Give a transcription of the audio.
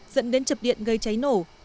dẫn đến chập điện gây cháy nổ